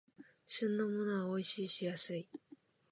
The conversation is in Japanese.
旬のものはおいしいし安い